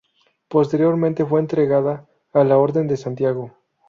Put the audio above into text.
Posteriormente fue entregada a la Orden de Santiago.